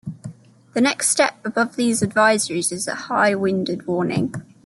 The next step above these advisories is a high wind warning.